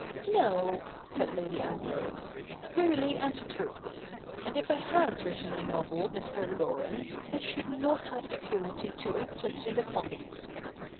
' No,' said Lady Ambrose, ' really and truly. And if I had written a novel, Mr. Laurence, I should not have the cruelty to inflict it upon you.